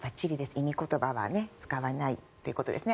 忌み言葉は使わないということですね。